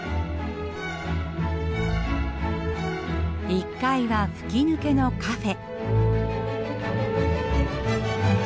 １階は吹き抜けのカフェ。